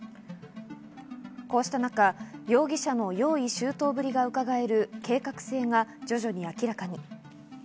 こうした中、容疑者の用意周到ぶりがうかがえる計画性が徐々に明らかに。